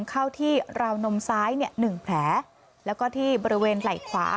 เข้าที่ราวนมซ้ายเนี่ยหนึ่งแผลแล้วก็ที่บริเวณไหล่ขวา